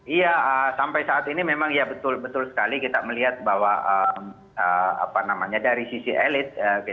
iya sampai saat ini memang ya betul betul sekali kita melihat bahwa dari sisi elit